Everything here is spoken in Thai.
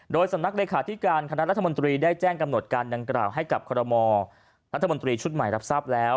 โดยสำนักเลขาธิการคณะรัฐมนตรีได้แจ้งกำหนดการดังกล่าวให้กับคอรมอรัฐมนตรีชุดใหม่รับทราบแล้ว